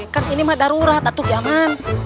kan ini mah darurat kaya man